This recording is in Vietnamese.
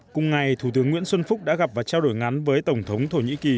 cùng ngày thủ tướng nguyễn xuân phúc đã gặp và trao đổi ngắn với tổng thống thổ nhĩ kỳ